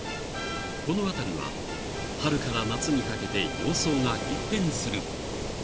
［この辺りは春から夏にかけて様相が一変する］